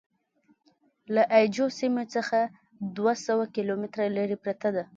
له اي جو سیمې څخه دوه سوه کیلومتره لرې پرته ده.